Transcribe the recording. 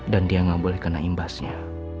dan dia gak boleh kena imbasnya